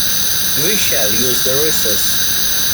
We shall use the recess.